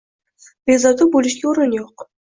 Bezovta bo'lishga o'rin yo'q.